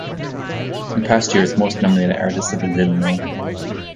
In past years most nominated artists have been little known.